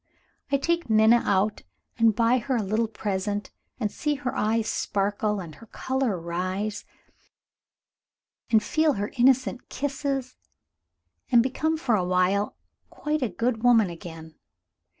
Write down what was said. I take Minna out and buy her a little present, and see her eyes sparkle and her color rise, and feel her innocent kisses, and become, for awhile, quite a good woman again.